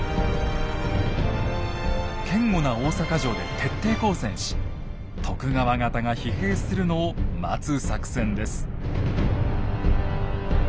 堅固な大坂城で徹底抗戦し徳川方が疲弊するのを待つ作戦です。